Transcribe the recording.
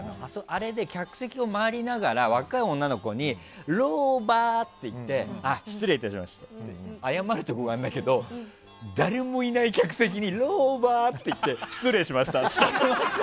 あれで客席を回りながら若い女の子に「老婆！」って言ってあっ、失礼致しましたって謝るところがあるんだけど誰もいない客席に「老婆！」って言って失礼しましたって。